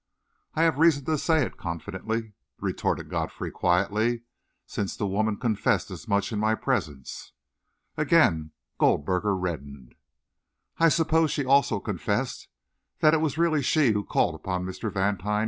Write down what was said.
"I have reason to say it confidently," retorted Godfrey quietly, "since the woman confessed as much in my presence." Again Goldberger reddened. "I suppose she also confessed that it was really she who called upon Mr. Vantine?"